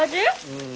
うん。